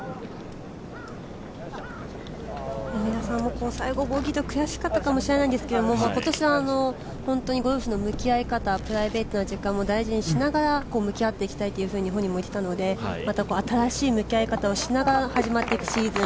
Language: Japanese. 上田さんも最後ボギーで悔しかったと思うんですけれども今年は本当にゴルフの向き合い方、プライベートも大事にしながら向き合っていきたいと本人も言っていたので、新しい向き合い方をしながら始まっていくシーズン